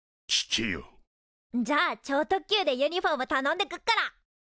じゃあ超特急でユニフォームたのんでっくから。